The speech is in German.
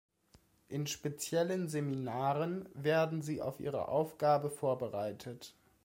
In speziellen Seminaren werden sie auf ihre Aufgabe vorbereitet.